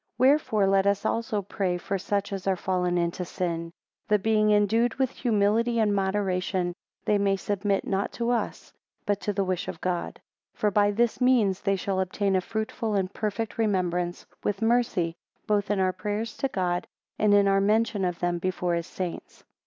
WHEREFORE let us also pray for such as are fallen into sin. That being endued with humility and moderation, they may submit not unto us, but to the wish of God. 2 For by this means they shall obtain a fruitful and perfect remembrance, with mercy, both in our prayers to God, and in our mention of them before his saints.